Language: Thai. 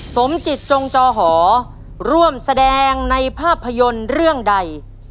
สมจิตจงจอหอร่วมแสดงในภาพยนตร์เรื่องใด